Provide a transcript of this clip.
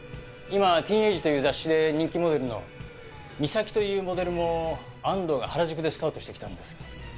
今『ティーンエイジ』という雑誌で人気モデルのミサキというモデルも安藤が原宿でスカウトしてきたんです。